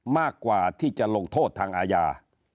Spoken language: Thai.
มากกว่าที่จะลงโทษทางอาญา